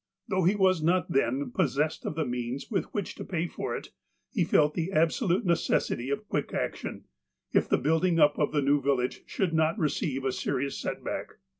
Though he was not then possessed of the means with which to pay for it, he felt the ab solute necessity of quick action, if the building up of the new village sliould not receive a serious setback.